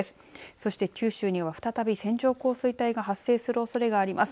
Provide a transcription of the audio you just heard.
そして九州には再び線状降水帯が発生するおそれがあります。